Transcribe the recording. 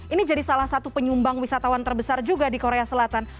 ini jadi salah satu penyumbang wisatawan terbesar juga di korea selatan